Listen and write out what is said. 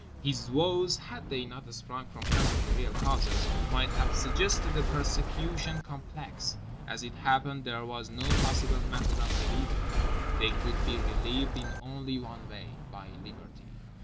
His woes, had they not sprung from perfectly real causes, might have suggested a persecution complex. As it happened there was no possible method of relieving them—they could be relieved in only one way: by Liberty.